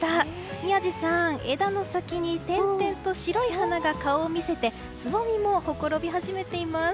宮司さん、枝の先に点々と白い花が顔を見せて蕾もほころび始めています。